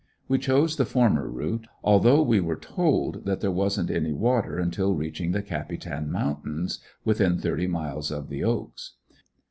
We chose the former route, although we were told that there wasn't any water until reaching the Capitan mountains within thirty miles of the "Oaks."